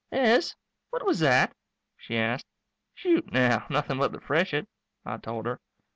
"Hez, what was that?" she asked. "Shoot, now, nothing but the freshet," I told her.